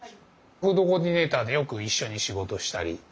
フードコーディネーターでよく一緒に仕事したり。